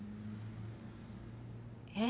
えっ？